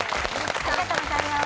ありがとうございます。